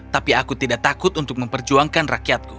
tapi aku tidak takut untuk memperjuangkan rakyatku